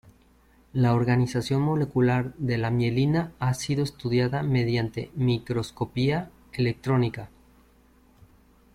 La organización molecular de la mielina ha sido estudiada mediante microscopía electrónica.